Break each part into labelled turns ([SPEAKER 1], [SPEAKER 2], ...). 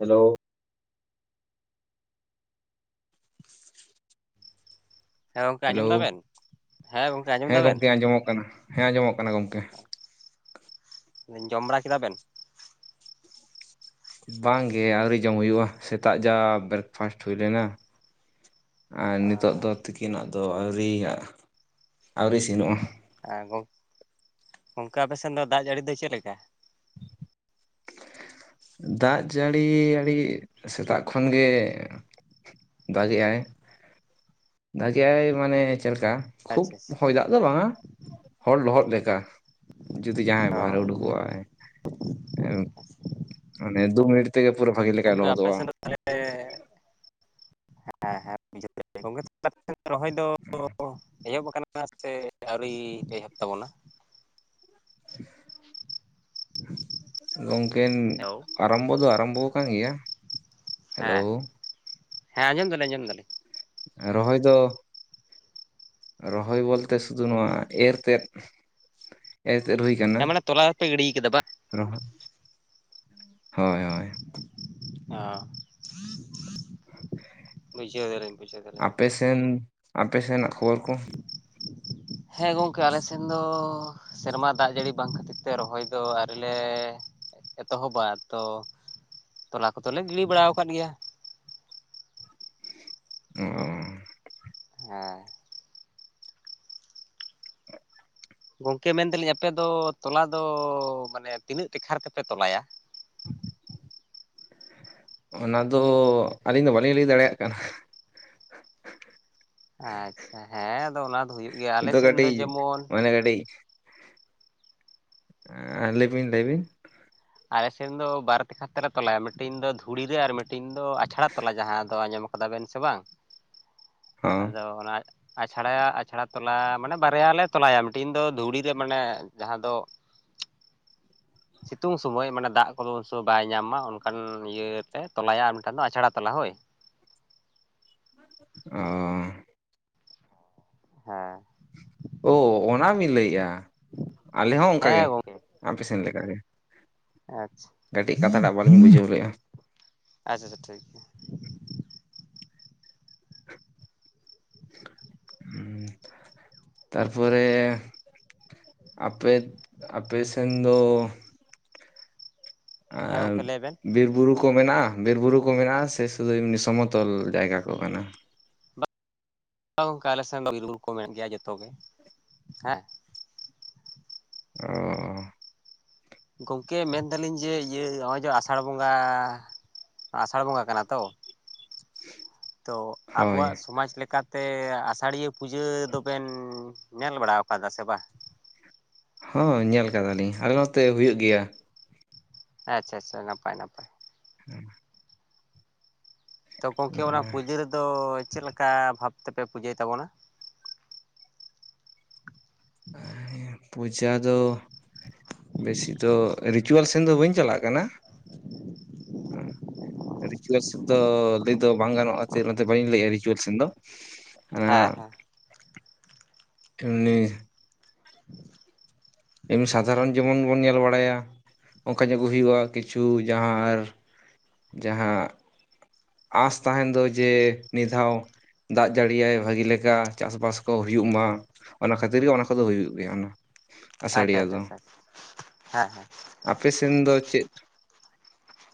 [SPEAKER 1] Hello
[SPEAKER 2] ᱦᱮᱸ ᱜᱚᱝᱠᱮ
[SPEAKER 1] hello.
[SPEAKER 2] ᱟᱸᱡᱚᱢ ᱫᱟᱵᱮᱱ ᱦᱮᱸ ᱜᱚᱝᱠᱮ ᱟᱸᱡᱚᱢ
[SPEAKER 1] ᱦᱮᱸ
[SPEAKER 2] ᱫᱟᱵᱮᱱ
[SPEAKER 1] ᱜᱚᱢᱠᱮ ᱟᱸᱡᱚᱢᱚᱜ ᱠᱟᱱᱟ ᱦᱮᱸ ᱟᱸᱡᱚᱢᱚᱜ ᱠᱟᱱᱟ ᱜᱚᱢᱠᱮ᱾
[SPEAKER 2] ᱢᱟᱱᱮ ᱡᱚᱢ ᱵᱟᱲᱟ ᱠᱮᱫᱟ ᱵᱮᱱ
[SPEAKER 1] ᱵᱟᱝᱜᱮ ᱟᱹᱣᱨᱤ ᱡᱚᱝ ᱦᱩᱭᱩᱜᱼᱟ ᱥᱮᱛᱟᱜ ᱡᱟᱵᱽ ᱵᱨᱮᱠᱯᱷᱟᱥᱴ ᱦᱩᱭ ᱞᱮᱱᱟ᱾ ᱟᱨ ᱱᱤᱛᱚᱜ ᱫᱚ ᱛᱤᱠᱤᱱᱟᱜ ᱫᱚ ᱟᱹᱣᱨᱤᱭᱟᱜ ᱟᱹᱣᱨᱤ ᱤᱥᱤᱱᱚᱜᱼᱟ
[SPEAKER 2] ᱟᱨ ᱜᱚᱝᱠᱮ ᱟᱯᱮ ᱥᱮᱱ ᱫᱚ ᱫᱟᱜ ᱡᱟᱹᱲᱤ ᱫᱚ ᱪᱮᱫ ᱞᱮᱠᱟ
[SPEAKER 1] ᱫᱟᱜ ᱡᱟᱹᱲᱤ ᱟᱹᱰᱤ ᱥᱮᱛᱟᱜ ᱠᱷᱚᱱᱜᱮ ᱫᱟᱜᱮᱜ-ᱟᱭ ᱫᱟᱜᱮᱜ-ᱟᱭ ᱢᱟᱱᱮ ᱪᱮᱫ ᱞᱮᱠᱟ ᱠᱷᱩᱵ
[SPEAKER 2] ᱟᱪᱪᱷᱟ ᱟᱪᱪᱷᱟ
[SPEAKER 1] ᱦᱚᱭ ᱫᱟᱜ ᱫᱚ ᱵᱟᱝᱟ ᱦᱚᱲ ᱞᱚᱦᱚᱫ ᱞᱮᱠᱟ ᱡᱩᱫᱤ ᱡᱟᱦᱟᱸᱭ ᱵᱟᱦᱨᱮ ᱩᱰᱩᱠᱚᱜᱼᱟᱭ ᱩᱱᱤ ᱫᱩ ᱢᱤᱱᱤᱴ ᱛᱮᱜ ᱯᱩᱨᱟᱹ ᱵᱷᱟᱹᱜᱤ ᱞᱮᱠᱟᱭ ᱞᱚᱦᱚᱫᱚᱜᱼᱟ
[SPEAKER 2] ᱛᱟᱦᱮᱞᱮ ᱦᱮᱸ ᱦᱮᱸ ᱜᱚᱢᱠᱮ ᱛᱟᱦᱮᱞᱮ ᱨᱚᱦᱚᱭ ᱫᱚ ᱮᱦᱚᱵ ᱟᱠᱟᱱᱟ ᱥᱮ ᱟᱹᱣᱨᱤ ᱮᱦᱚᱵ ᱛᱟᱵᱚᱱᱟ
[SPEAKER 1] [inaudible] ᱜᱚᱝᱠᱤᱱ
[SPEAKER 2] ᱦᱮᱞᱳ
[SPEAKER 1] ᱟᱨᱚᱢᱵᱚ ᱫᱚ ᱟᱨᱚᱢᱵᱚ ᱠᱟᱱ ᱜᱮᱭᱟ ᱦᱮᱞᱳ
[SPEAKER 2] ᱦᱮᱸ ᱦᱮᱸ ᱟᱸᱡᱚᱢ ᱫᱟᱞᱤᱧ ᱟᱸᱡᱚᱢ ᱫᱟᱞᱤᱧ
[SPEAKER 1] ᱨᱚᱦᱚᱭ ᱫᱚ ᱨᱚᱦᱚᱭ ᱵᱚᱞᱛᱮ ᱥᱩᱫᱷᱩ ᱱᱚᱣᱟ ᱮᱨᱛᱮᱫ ᱮᱛᱮᱫ ᱦᱩᱭᱟᱠᱟᱱᱟ
[SPEAKER 2] ᱦᱮᱸ ᱢᱟᱱᱮ ᱛᱚᱞᱟ ᱯᱮ ᱜᱤᱰᱤ ᱠᱟᱫᱟ ᱵᱟᱝ
[SPEAKER 1] ᱨᱚᱦᱚᱸ ᱦᱳᱭ ᱦᱳᱭ
[SPEAKER 2] ᱚ
[SPEAKER 1] ᱚᱠᱮ
[SPEAKER 2] ᱵᱩᱡᱷᱟᱹᱣ ᱫᱚᱨᱮᱧ ᱵᱩᱡᱷᱟᱹᱣ ᱠᱟᱫᱮ
[SPEAKER 1] ᱟᱯᱮᱥᱮᱱ ᱟᱯᱮ ᱥᱮᱱᱟᱜ ᱠᱷᱚᱵᱚᱨ ᱠᱚ
[SPEAKER 2] ᱦᱮᱸ ᱜᱚᱝᱠᱮ ᱟᱞᱮ ᱥᱮᱱ ᱫᱚ ᱥᱮᱨᱢᱟ ᱫᱟᱜ ᱡᱟᱹᱲᱤ ᱵᱟᱝ ᱠᱷᱟᱹᱛᱤᱨ ᱛᱮ ᱨᱚᱦᱚᱭ ᱫᱚ ᱟᱹᱣᱨᱤᱞᱮ ᱮᱛᱚᱦᱚᱵᱟ ᱛᱚ ᱛᱚᱞᱟ ᱠᱚᱫᱚᱞᱮ ᱜᱤᱰᱤ ᱵᱟᱲᱟ ᱟᱠᱟᱫ ᱜᱮᱭᱟ
[SPEAKER 1] ᱚ
[SPEAKER 2] ᱦᱮᱸ ᱜᱚᱝᱠᱮ ᱢᱮᱱᱫᱟᱞᱤᱧ ᱟᱯᱮ ᱫᱚ ᱛᱚᱞᱟ ᱫᱚ ᱢᱟᱱᱮ ᱛᱤᱱᱟᱹᱜ ᱴᱮᱠᱷᱟ ᱛᱮᱯᱮ ᱛᱚᱞᱟᱭᱟ
[SPEAKER 1] ᱚᱱᱟ ᱫᱚ ᱟᱹᱞᱤᱧ ᱫᱚ ᱵᱟᱹᱞᱤᱧ ᱞᱟᱹᱭ ᱫᱟᱲᱮᱭᱟᱜ ᱠᱟᱱᱟ
[SPEAKER 2] ᱟᱪᱪᱷᱟ ᱦᱮᱸ ᱟᱫᱚ ᱚᱱᱟ ᱫᱚ ᱦᱩᱭᱩᱜ ᱜᱮᱭᱟ
[SPEAKER 1] ᱱᱤᱛᱚᱜ
[SPEAKER 2] ᱟᱞᱮᱥᱮᱱ ᱫᱚ
[SPEAKER 1] ᱠᱟᱹᱴᱤᱡ
[SPEAKER 2] ᱡᱮᱢᱚᱱ
[SPEAKER 1] ᱢᱟᱱᱮ ᱟ‍ᱹᱰᱤᱡ ᱟᱸᱻ ᱞᱟᱹᱭᱵᱤᱱ ᱞᱟᱹᱭᱵᱤᱱ
[SPEAKER 2] ᱟᱞᱮ ᱥᱮᱱ ᱫᱚ ᱵᱟᱨ ᱛᱮᱠᱷᱟ ᱛᱮᱞᱮ ᱛᱚᱞᱟᱭᱟ ᱢᱤᱫᱴᱮᱱ ᱫᱚ ᱫᱷᱩᱲᱤ ᱨᱮ ᱟᱨ ᱢᱤᱫᱴᱮᱱ ᱫᱚ ᱟᱪᱷᱟᱲᱟ ᱛᱚᱞᱟ ᱡᱟᱦᱟᱸ ᱫᱚ ᱟᱸᱡᱚᱢ ᱠᱟᱫᱟ ᱵᱮᱱ ᱥᱮ ᱵᱟᱝᱼᱼ
[SPEAKER 1] [unintelligible]
[SPEAKER 2] ᱟᱫᱚ ᱚᱱᱟᱼᱼ ᱟᱪᱷᱟ ᱲᱟᱭᱟ ᱟᱪᱷᱟ ᱲᱟ ᱛᱚᱞᱟ ᱢᱟᱱᱮ ᱵᱟᱨᱭᱟ ᱞᱮ ᱛᱚᱞᱟᱭᱟ ᱢᱤᱫᱴᱤᱱ ᱫᱚ ᱫᱷᱩᱲᱤ ᱨᱮ ᱢᱟᱱᱮ ᱡᱟᱦᱟᱸ ᱫᱚᱼᱼ ᱥᱤᱛᱩᱝ ᱥᱚᱢᱚᱭ ᱢᱟᱱᱮ ᱫᱟᱜ ᱠᱚᱫᱚ ᱩᱱ ᱥᱚᱢᱚᱭ ᱵᱟᱭ ᱧᱟᱢ ᱢᱟ ᱚᱱᱠᱟᱱ ᱤᱭᱟᱹᱞᱮ ᱛᱚᱞᱟᱭᱟ ᱟᱨ ᱢᱤᱫᱴᱟᱱ ᱫᱚ ᱟᱪᱷᱲᱟ ᱛᱚᱞᱟ ᱦᱳᱭ
[SPEAKER 1] ᱚᱸ
[SPEAKER 2] ᱦᱮᱸ
[SPEAKER 1] ᱳ ᱚᱱᱟ ᱵᱤᱱ ᱞᱟᱹᱭᱮᱜᱼᱟ ᱟᱞᱮ ᱦᱚᱸ
[SPEAKER 2] ᱦᱮᱸ
[SPEAKER 1] ᱚᱱᱠᱟᱜᱮ
[SPEAKER 2] ᱜᱚᱝᱠᱮ
[SPEAKER 1] ᱟᱯᱮ ᱥᱮᱱ ᱞᱮ ᱞᱮᱠᱟᱜ ᱜᱮ᱾
[SPEAKER 2] ᱟᱪᱪᱷᱟ᱾ ᱟᱪᱪᱷᱟ
[SPEAKER 1] ᱵᱟᱹᱞᱤᱧ ᱵᱩᱡᱷᱟᱹᱣ ᱞᱮᱜᱼᱟ
[SPEAKER 2] ᱟᱪᱪᱷᱟ ᱴᱷᱤᱠ ᱜᱮᱭᱟ
[SPEAKER 1] ᱦᱩᱹᱻ ᱛᱟᱨᱯᱚᱨᱮ ᱟᱯᱮ ᱟᱯᱮᱥᱮᱱ ᱫᱚ
[SPEAKER 2] ᱦᱮᱸ
[SPEAKER 1] ᱟᱨ
[SPEAKER 2] ᱜᱚᱝᱠᱮ ᱞᱟᱹᱭ ᱵᱮᱱ
[SPEAKER 1] ᱵᱤᱨᱵ ᱵᱩᱨᱩ ᱠᱚ ᱢᱮᱱᱟᱜᱼᱟ ᱵᱤᱨ ᱵᱩᱨᱩ ᱠᱚ ᱢᱮᱱᱟᱜᱼᱟ ᱥᱮ ᱥᱩᱫᱷᱩ ᱮᱢᱱᱤ ᱥᱚᱢᱚᱛᱚᱞ ᱡᱟᱭᱜᱟ ᱠᱚ ᱠᱟᱱᱟ᱾
[SPEAKER 2] ᱵᱟ ᱜᱚᱝᱠᱮ ᱟᱞᱮ ᱥᱮᱱ ᱫᱚ ᱵᱤᱨᱵᱩᱨᱩ ᱠᱚ ᱢᱮᱱᱟᱜ ᱜᱮᱭᱟ ᱡᱚᱛᱚ ᱜᱮ᱾ ᱦᱮᱸ
[SPEAKER 1] ᱚᱻ
[SPEAKER 2] ᱜᱚᱝᱠᱮ ᱢᱮᱱᱫᱟᱞᱤᱧ ᱡᱮ ᱤᱭᱟᱹ ᱱᱚᱜᱼᱚᱭ ᱡᱮ ᱟᱥᱟᱲ ᱵᱚᱸᱜᱟ ᱟᱥᱟᱲ ᱵᱚᱸᱜᱟ ᱠᱟᱱᱟ ᱛᱚ ᱛᱚ
[SPEAKER 1] ᱦᱳᱭ
[SPEAKER 2] ᱟᱵᱚᱣᱟᱜ ᱥᱚᱢᱟᱡ ᱞᱮᱠᱟᱼᱼ ᱛᱮ ᱟᱥᱟᱲᱤᱭᱟᱹ ᱯᱩᱡᱟᱹ ᱫᱚᱵᱮᱱ ᱧᱮᱞ ᱵᱟᱲᱟ ᱟᱠᱟᱫᱟ ᱥᱮ ᱵᱟᱝ?
[SPEAKER 1] ᱦᱚᱸ ᱧᱮᱞ ᱠᱟᱫᱟᱞᱤᱧ ᱟᱞᱮ ᱱᱚᱛᱮ ᱦᱩᱭᱩᱜ ᱜᱮᱭᱟ᱾
[SPEAKER 2] ᱟᱪᱪᱷᱟ ᱟᱪᱪᱷᱟ ᱱᱟᱯᱟᱭ ᱱᱟᱯᱟᱭ᱾
[SPEAKER 1] ᱦᱩᱸ
[SPEAKER 2] ᱛᱚ ᱜᱚᱢᱠᱮ ᱚᱱᱟ ᱯᱩᱡᱟᱹ ᱨᱮᱫᱚ ᱪᱮᱫ ᱞᱮᱠᱟ ᱵᱷᱟᱵᱽ ᱛᱮᱯᱮ ᱯᱩᱡᱟᱹᱭ ᱛᱟᱵᱚᱱᱟ᱾
[SPEAKER 1] ᱟᱭ ᱮᱢ ᱯᱩᱡᱟ ᱫᱚ ᱵᱮᱥᱤ ᱫᱚ ᱨᱤᱪᱩᱣᱟᱞ ᱥᱮᱱ ᱫᱚ ᱵᱟᱹᱧ ᱪᱟᱞᱟᱜ ᱠᱟᱱᱟ᱾ ᱦᱩᱸ ᱨᱤᱪᱩᱭᱮᱞ ᱥᱮᱫ ᱫᱚ ᱞᱟᱹᱭ ᱫᱚ ᱵᱟᱝ ᱜᱟᱱᱚᱜᱼᱟ ᱱᱛᱮ ᱵᱟᱹᱧ ᱞᱟᱹᱭᱼᱟ ᱨᱤᱪᱩᱭᱮᱞ ᱥᱮᱱ ᱫᱚ ᱚᱱᱟ
[SPEAKER 2] ᱦᱮᱸ ᱦᱮᱸ
[SPEAKER 1] ᱴᱟ. ᱲᱤ ᱮᱢ ᱥᱟᱫᱷᱟᱨᱚᱱ ᱡᱮᱢᱚᱱ ᱵᱚᱱ ᱧᱮᱞ ᱵᱟᱲᱟᱭᱟ᱾ ᱚᱱᱠᱟ ᱧᱚᱜ ᱜᱮ ᱦᱩᱭᱩᱜᱼᱟ ᱠᱤᱪᱷᱩ ᱡᱟᱦᱟᱸ ᱟᱨ ᱡᱟᱦᱟᱸ ᱟᱸᱥ ᱛᱟᱦᱮᱱ ᱫᱚ ᱡᱮ ᱢᱤᱫ ᱫᱷᱟᱣ ᱫᱟᱜ ᱡᱟᱹᱲᱤᱭᱟᱭ ᱵᱷᱟᱹᱜᱤ ᱞᱮᱠᱟ ᱪᱟᱥ ᱵᱟᱥ ᱠᱚ ᱦᱩᱭᱩᱜ ᱢᱟ᱾ ᱚᱱᱟ ᱠᱷᱟᱹᱛᱤᱨ ᱜᱮ ᱚᱱᱟ ᱠᱚᱫᱚ ᱦᱩᱭᱩᱜ ᱜᱮᱭᱟ ᱳᱱᱟ
[SPEAKER 2] ᱟᱪᱪᱷᱟ ᱟᱪᱪᱷᱟ ᱪᱷᱟ ᱦᱮᱸ ᱦᱮᱸ
[SPEAKER 1] ᱟᱯᱮᱥᱮᱱ ᱫᱚ ᱪᱮᱫ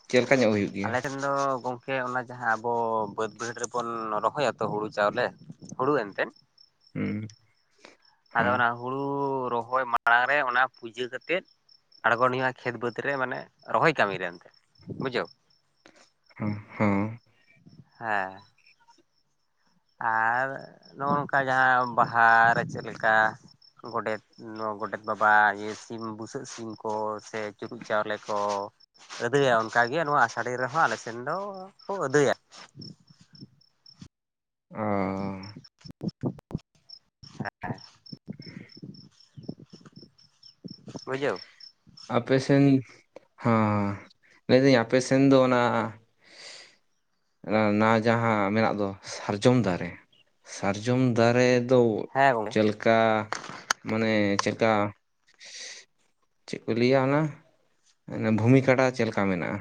[SPEAKER 1] ᱪᱮᱫ ᱞᱮᱠᱟ ᱧᱚᱜ ᱦᱩᱭᱩᱜ ᱜᱮᱭᱟ
[SPEAKER 2] ᱟᱞᱮ ᱴᱮᱱ ᱢᱮᱱ ᱫᱚ ᱜᱚᱝᱠᱮ ᱚᱱᱟ ᱡᱟᱦᱟᱸ ᱟᱵᱚ ᱵᱟᱹᱫᱽ ᱵᱟᱹᱭᱦᱟᱹᱲ ᱨᱮᱵᱚᱱ ᱨᱚᱦᱚᱭᱟᱛᱚ ᱦᱩᱲᱩ ᱪᱟᱣᱞᱮ ᱦᱩᱲᱩ ᱮᱱᱛᱮᱱ
[SPEAKER 1] ᱦᱩᱸ
[SPEAKER 2] ᱟᱫᱚ
[SPEAKER 1] ᱦᱚᱸ
[SPEAKER 2] ᱚᱱᱟ ᱦᱩᱲᱩ ᱨᱚᱦᱚᱭ ᱢᱟᱲᱟᱝ ᱨᱮ ᱚᱱᱟ ᱯᱩᱡᱟᱹ ᱠᱟᱛᱮᱜ ᱟᱬᱜᱚᱱ ᱦᱩᱭᱩᱜᱼᱟ ᱠᱷᱮᱛ ᱵᱟᱹᱫᱽ ᱨᱮ ᱢᱟᱱᱮ ᱨᱚᱦᱚᱭ ᱠᱟᱹᱢᱤ ᱨᱮ ᱮᱱᱛᱮ ᱵᱩᱡᱷᱟᱹᱣ
[SPEAKER 1] ᱦᱩᱸ ᱦᱩᱻ
[SPEAKER 2] ᱦᱮᱸ ᱟᱨᱻ ᱱᱚᱜᱼ ᱱᱚᱝᱠᱟ ᱡᱟᱦᱟᱸ ᱵᱟᱦᱟ ᱨᱮ ᱪᱮᱫ ᱞᱮᱠᱟ ᱜᱚᱰᱮᱛ ᱱᱚᱣᱟ ᱜᱚᱰᱮᱛ ᱵᱟᱵᱟᱤᱭᱟᱹ ᱥᱤᱢ ᱵᱩᱥᱟᱹᱜ ᱥᱤᱢ ᱠᱚ ᱥᱮ ᱪᱩᱨᱩᱡ ᱪᱟᱣᱞᱮ ᱠᱚ ᱟᱹᱫᱟᱹᱭᱟ ᱚᱱᱠᱟᱜᱮ ᱱᱚᱣᱟ ᱟᱥᱟᱹᱲᱤ ᱨᱮᱦᱚᱸ ᱟᱞᱮ ᱥᱮᱱ ᱫᱚᱠᱚ ᱟᱹᱫᱟᱹᱭᱟ᱾
[SPEAKER 1] ᱚᱻ [inaudible]
[SPEAKER 2] ᱵᱩᱡᱷᱟᱹᱣ
[SPEAKER 1] ᱟᱯᱮ ᱥᱮᱱ ᱦᱚᱸᱻ ᱞᱟᱹᱭᱫᱟᱹᱧ ᱟᱯᱮ ᱥᱮᱱ ᱫᱚ ᱚᱱᱟ ᱱᱟ ᱡᱟᱦᱟᱸ ᱢᱮᱱᱟᱜ ᱫᱚ ᱥᱟᱨᱡᱚᱢ ᱫᱟᱨᱮ ᱥᱟᱨᱡᱚᱢ ᱫᱟᱨᱮ ᱫᱚ
[SPEAKER 2] ᱦᱮᱸ ᱜᱚᱝᱠᱮ
[SPEAKER 1] ᱪᱮᱫ ᱞᱮᱠᱟ ᱢᱟᱱᱮ ᱪᱮᱫᱠᱟ ᱪᱮᱫ ᱠᱚ ᱞᱟᱹᱭᱟ ᱚᱱᱟ᱾ ᱵᱷᱩᱢᱤ ᱠᱟᱰᱟ ᱪᱮᱫ ᱞᱮᱠᱟ ᱢᱮᱱᱟᱜᱼᱟ?.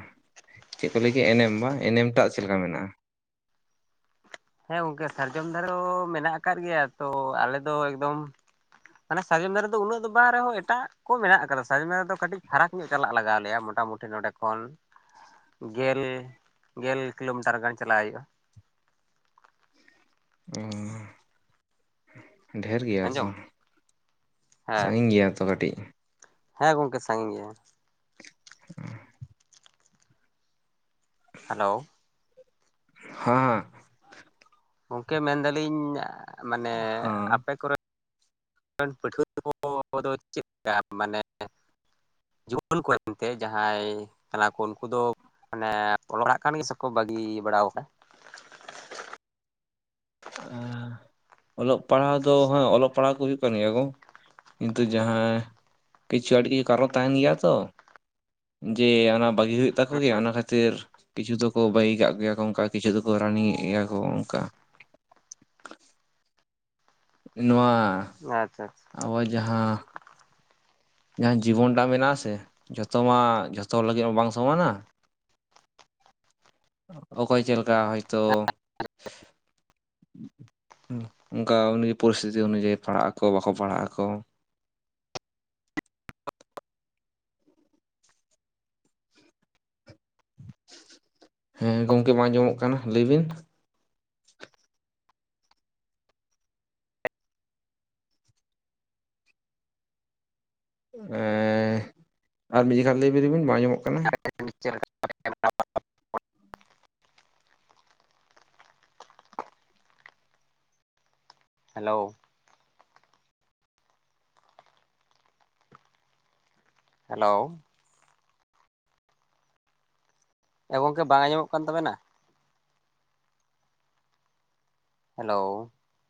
[SPEAKER 1] ᱪᱮᱫ ᱠᱚ ᱞᱟᱹᱭ ᱮᱱᱮᱢ ᱢᱟ ᱮᱱᱮᱢ ᱴᱟᱜ ᱪᱮᱫ ᱞᱮᱠᱟ ᱢᱮᱱᱟᱜᱼᱟ᱾
[SPEAKER 2] ᱦᱮᱸ ᱜᱚᱝᱠᱮ ᱥᱟᱨᱡᱚᱢ ᱫᱷᱟᱨᱚ ᱢᱮᱱᱟᱜ ᱟᱠᱟᱫ ᱜᱮᱭᱟ ᱛᱚ ᱟᱞᱮ ᱫᱚ ᱮᱠᱫᱚᱢ ᱢᱟᱱᱮ ᱥᱟᱟᱨᱡᱚᱢ ᱫᱟᱨᱮ ᱫᱚ ᱩᱱᱟᱹᱜ ᱫᱚ ᱵᱟᱝ ᱨᱮᱦᱚᱸ ᱮᱴᱟᱜ ᱠᱚ ᱢᱮᱱᱟᱜ ᱟᱠᱟᱫᱟ ᱥᱟᱨᱡᱚᱢ ᱫᱟᱨᱮ ᱫᱚ ᱠᱟᱹᱴᱤᱡ ᱯᱷᱟᱨᱟᱠ ᱧᱚᱜ ᱪᱟᱞᱟᱜ ᱞᱟᱜᱟᱣ ᱞᱮᱭᱟ ᱢᱚᱴᱟ ᱢᱩᱴᱤ ᱱᱚᱰᱮ ᱠᱷᱚᱱ ᱜᱮᱞ ᱜᱮᱞ ᱠᱤᱞᱳᱢᱤᱴᱟᱨ ᱜᱟᱱ ᱪᱟᱞᱟᱜ ᱦᱩᱭᱩᱜᱼᱟ᱾
[SPEAKER 1] ᱚᱻ ᱰᱷᱮᱨ ᱜᱮᱭᱟ ᱛᱚ
[SPEAKER 2] ᱟᱸᱡᱚᱢ
[SPEAKER 1] ᱥᱟᱺᱜᱤᱧ ᱜᱮᱭᱟ ᱛᱚ ᱠᱟᱹᱴᱤᱡ
[SPEAKER 2] ᱦᱚᱭ ᱜᱚᱢᱠᱮ ᱥᱟᱺᱜᱤᱧ ᱜᱮᱭᱟ᱾
[SPEAKER 1] ᱦᱮᱸ
[SPEAKER 2] ᱦᱮᱞᱳ
[SPEAKER 1] ᱦᱮᱸᱮ
[SPEAKER 2] ᱜᱚᱝᱠᱮ ᱢᱮᱱᱫᱟᱞᱤᱧ ᱢᱟᱱᱮ
[SPEAKER 1] ᱦᱟᱸ
[SPEAKER 2] ᱟᱯᱮ ᱠᱚᱨᱮ ᱯᱟᱹᱴᱷᱩᱣᱟᱹ ᱠᱚᱫᱚ ᱪᱮᱫᱠᱟ ᱢᱟᱱᱮ [unintelligible] ᱡᱩᱣᱟᱹᱱ ᱠᱚ ᱮᱱᱛᱮ ᱡᱟᱦᱟᱸᱭ ᱠᱟᱱᱟ ᱠᱚ ᱩᱱᱠᱩ ᱫᱚ ᱢᱟᱱᱮ ᱚᱞᱚᱜᱼᱟᱜ ᱠᱟᱱ ᱜᱮᱭᱟᱹ ᱥᱮᱠᱚ ᱵᱟᱹᱜᱤ ᱵᱟᱲᱟ ᱟᱠᱟᱫᱟ᱾
[SPEAKER 1] ᱚᱞᱚᱜ ᱯᱟᱲᱦᱟᱜ ᱫᱚ ᱦᱮᱸ ᱚᱞᱚᱜ ᱯᱟᱲᱦᱟᱜ ᱠᱚ ᱦᱩᱭᱩᱜ ᱠᱟᱱ ᱜᱮᱭᱟ ᱠᱚ ᱠᱤᱱᱛᱩ ᱡᱟᱦᱟᱻ ᱠᱤᱪᱷᱩ ᱟᱴᱠᱤ ᱠᱟᱨᱚᱱ ᱛᱟᱦᱮᱱ ᱜᱮᱭᱟ ᱛᱚ᱾ ᱡᱮ ᱚᱱᱟ ᱵᱟᱹᱜᱤ ᱦᱩᱭᱩᱜ ᱛᱟᱠᱚ ᱜᱮᱭᱟ ᱚᱱᱟ ᱠᱷᱟᱹᱛᱤᱨ ᱠᱤᱪᱷᱩ ᱫᱚᱠᱚ ᱵᱟᱹᱭ ᱠᱟᱜ ᱜᱮᱭᱟ ᱠᱚ ᱚᱱᱠᱟ ᱠᱤᱪᱷᱩ ᱫᱚᱠᱚ ᱨᱟᱱᱤᱜ ᱜᱮᱭᱟ ᱠᱚ ᱚᱱᱠᱟ᱾ ᱱᱚᱣᱟ
[SPEAKER 2] ᱟᱪᱪᱷᱟ ᱟᱪᱪᱷᱟ
[SPEAKER 1] ᱟᱵᱚ ᱡᱟᱦᱟᱸ ᱡᱟᱦᱟᱸ ᱡᱤᱵᱚᱱ ᱴᱟᱜ ᱢᱮᱱᱟᱜ ᱟᱥᱮ ᱡᱚᱛᱚ ᱢᱟ ᱡᱚᱛᱚ ᱞᱟᱹᱜᱤᱫ ᱢᱟ ᱵᱟᱝ ᱥᱚᱢᱟᱱᱟ ᱚᱠᱚᱭ ᱪᱮᱫ ᱞᱮᱠᱟ ᱦᱚᱭᱛᱳ ᱚᱱᱠᱟ ᱩᱱᱤ ᱯᱚᱨᱤᱥᱛᱷᱤᱛᱤ ᱚᱱᱩᱡᱟᱭᱤ ᱯᱟᱲᱦᱟᱜ ᱟᱠᱚ ᱵᱟᱠᱚ ᱯᱟᱲᱦᱟᱜ ᱟᱠᱚ ᱦᱮᱸ ᱜᱚᱝᱠᱮ ᱵᱟᱝ ᱟᱸᱡᱚᱢᱚᱜ ᱠᱟᱱᱟ ᱞᱟᱹᱭ ᱵᱤᱱ ᱮᱸ ᱟᱨ ᱢᱤᱫ ᱡᱚᱠᱷᱚᱱ ᱞᱟᱹᱭᱵᱤᱱ ᱵᱟᱝ ᱟᱸᱡᱚᱢᱚᱜ ᱠᱟᱱᱟ
[SPEAKER 2] [unintelligible] ᱦᱪ [unintelligible] ᱦᱮᱞᱳ ᱦᱮᱞᱳ ᱮ ᱜᱚᱝᱠᱮ ᱵᱟᱝ ᱟᱸᱡᱚᱢᱚᱜ ᱠᱟᱱ ᱛᱟᱵᱮᱱᱟ ᱦᱮᱞᱳ